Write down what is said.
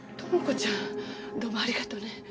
朋子ちゃんどうもありがとうね。